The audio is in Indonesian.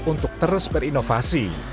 untuk terus berinovasi